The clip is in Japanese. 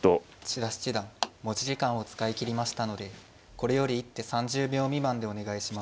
千田七段持ち時間を使いきりましたのでこれより一手３０秒未満でお願いします。